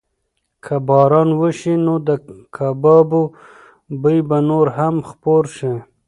که باران وشي نو د کبابو بوی به نور هم خپور شي.